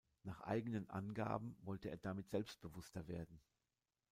Nach eigenen Angaben wollte er damit selbstbewusster werden.